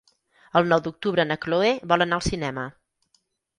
El nou d'octubre na Chloé vol anar al cinema.